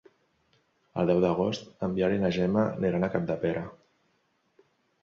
El deu d'agost en Biel i na Gemma aniran a Capdepera.